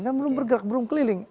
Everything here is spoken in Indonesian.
kan belum bergerak belum keliling